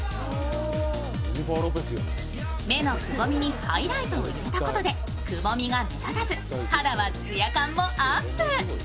目のくぼみにハイライトを入れたことでくぼみが目立たず、肌は艶感もアップ。